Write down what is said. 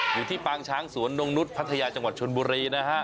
อยู่ที่ปางช้างสวนนงนุษย์พัทยาจังหวัดชนบุรีนะฮะ